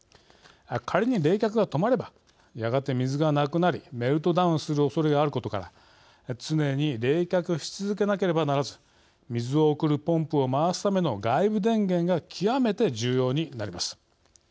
仮に冷却が止まればやがて水がなくなりメルトダウンするおそれがあることから常に冷却し続けなければならず水を送るポンプを回すための外部電源が極めて重要になります。